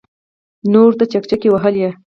نورو ورته چکچکې وهلې.